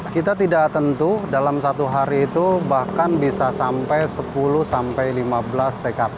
kita tidak tentu dalam satu hari itu bahkan bisa sampai sepuluh sampai lima belas tkp